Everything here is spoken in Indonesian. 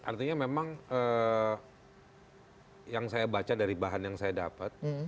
artinya memang yang saya baca dari bahan yang saya dapat